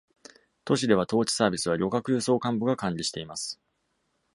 都市では、当地サービスは旅客輸送幹部が管理しています。